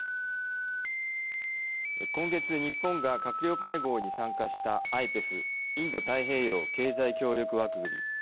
今月、日本が閣僚会合に参加したＩＰＥＦ＝インド太平洋経済協力枠組み。